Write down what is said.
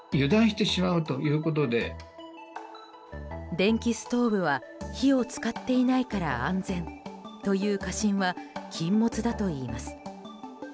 電気ストーブは火を使っていないから安全という過信は禁物だといいます。